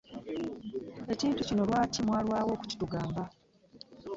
Ekintu kino lwaki mwalwawo okukitugamba?